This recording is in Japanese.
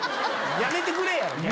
やめてくれや！